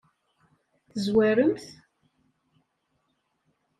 Tezwarem-t?